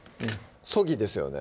そぎですよね？